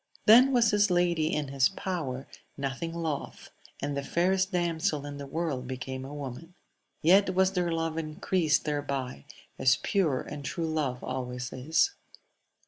Then was his lady in his power, nothing loth ; and the fairest damsel in the world became a woman. Yet was their love encreased thereby, as pure and true love alway is.